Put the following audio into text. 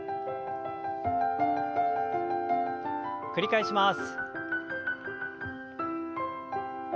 繰り返します。